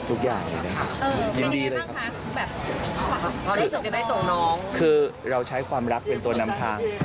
เพราะที่พี่เอ๋บอกว่าพี่เอ๋จะเจ้าภาพตั้งแต่วันไหน